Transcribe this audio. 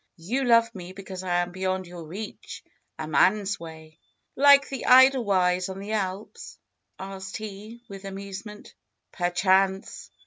You love me because I am beyond your reach. A man's way !" ^^Like the Edelweiss on the Alps?" asked he with amusement. Perchance